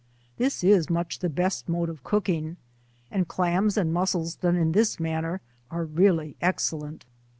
This is much the best mode of cooking, and clams and muscles done in this manner, are really excellent.